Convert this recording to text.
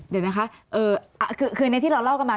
เดี๋ยวนะคะคือในที่เราเล่ากันมา